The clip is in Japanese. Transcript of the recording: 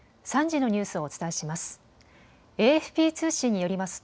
３時のニュースをお伝えします。